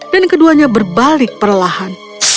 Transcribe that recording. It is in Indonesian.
dan keduanya berbalik perlahan